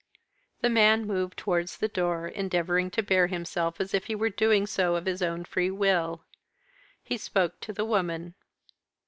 The man moved towards the door, endeavouring to bear himself as if he were doing so of his own free will. He spoke to the woman.